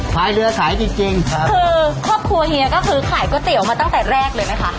คือครอบครัวเฮียก็คือขายก๋วยเตี๋ยวมาตั้งแต่แรกเลยไหมคะ